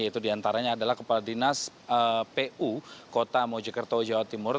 yaitu diantaranya adalah kepala dinas pu kota mojokerto jawa timur